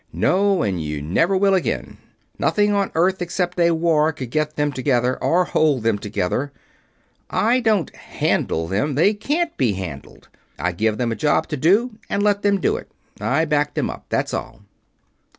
"No, and you never will again. Nothing on Earth except a war could get them together or hold them together. I don't 'handle' them they can't be 'handled'. I give them a job to do and let them do it. I back them up. That's all."